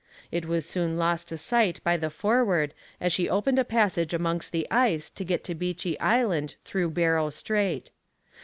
It was soon lost to sight by the Forward as she opened a passage amongst the ice to get to Beechey Island through Barrow Strait.